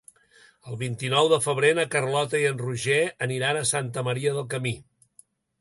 El vint-i-nou de febrer na Carlota i en Roger aniran a Santa Maria del Camí.